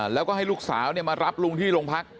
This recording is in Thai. แล้วก็ให้ลูกสาวมารับลุงที่โรงพัก